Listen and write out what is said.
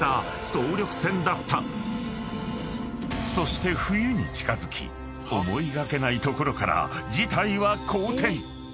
［そして冬に近づき思いがけないところから事態は好転！］